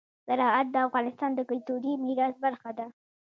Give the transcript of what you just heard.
زراعت د افغانستان د کلتوري میراث برخه ده.